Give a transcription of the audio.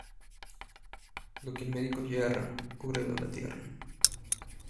Lo que el médico yerra, cúbrelo la tierra.